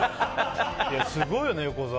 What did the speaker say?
すごいよね、横澤。